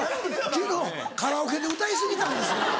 昨日カラオケで歌い過ぎたんですか？